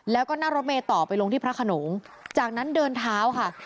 แล้วก็นั่งรถเมย์ต่อไปลงที่พระขนงจากนั้นเดินเท้าค่ะ